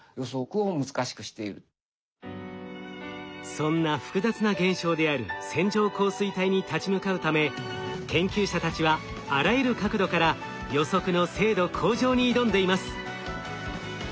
そんな複雑な現象である線状降水帯に立ち向かうため研究者たちはあらゆる角度から予測の精度向上に挑んでいます。